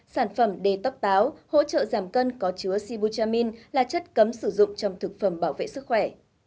sản phẩm detox táo hỗ trợ giảm cân có chứa sibutramine là chất cấm sử dụng trong thực phẩm bảo vệ sức khỏe